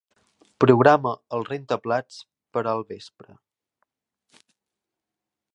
Programa el rentaplats per al vespre.